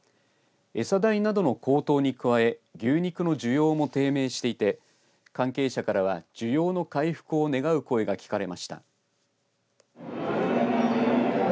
餌代などの高騰に加え牛肉の需要も低迷していて関係者からは需要の回復を願う声が聞かれました。